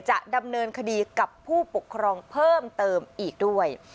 จะดำเนินคดีกับผู้ปกครองเพิ่มเติมอีกด้วย